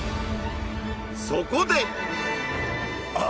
そこで！